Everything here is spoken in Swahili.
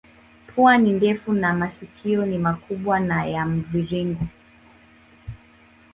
Pua ni ndefu na masikio ni makubwa na ya mviringo.